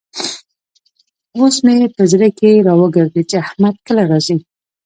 اوس مې په زړه کې را وګرزېد چې احمد کله راځي.